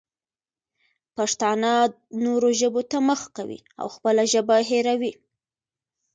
پښتانه نورو ژبو ته مخه کوي او خپله ژبه هېروي.